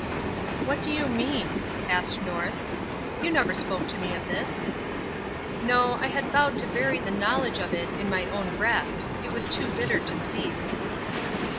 "What do you mean?" asked North. "You never spoke to me of this." "No, I had vowed to bury the knowledge of it in my own breast it was too bitter to speak."